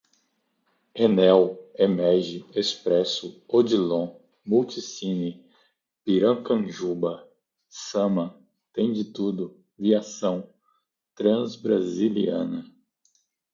Enel, Emege, Expresso, Odilon, Multicine, Piracanjuba, Sama, Tend Tudo, Viação Transbrasiliana